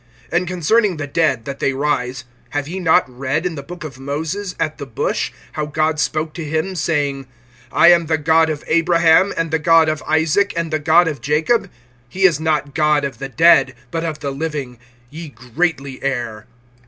(26)And concerning the dead, that they rise, have ye not read in the book of Moses, at The Bush, how God spoke to him, saying: I am the God of Abraham, and the God of Isaac, and the God of Jacob? (27)He is not God of the dead, but of the living. Ye greatly err.